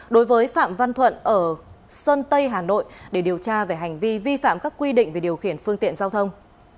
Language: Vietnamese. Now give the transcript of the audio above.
đối với phạm văn thuận ở sơn tây hà nội để điều tra về hành vi vi phạm các quy định về điều khiển phương tiện giao thông